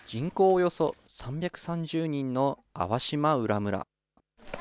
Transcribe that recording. およそ３３０人の粟島浦村。